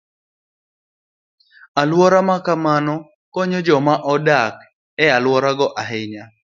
Alwora ma kamano konyo joma odak e alworago ahinya.